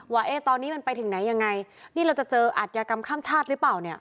ว่าตอนนี้มันไปถึงไหนยังไงนี่เราจะเจออัธยากรรมข้ามชาติหรือเปล่าเนี่ย